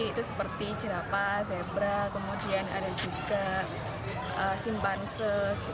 itu seperti jerapah zebra kemudian ada juga simpanse